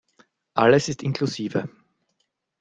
Alles ist inklusive.